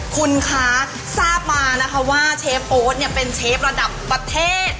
คุณคะทราบมานะคะว่าเชฟโอ๊ตเนี่ยเป็นเชฟระดับประเทศ